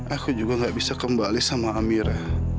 aku juga gak bisa kembali sama amira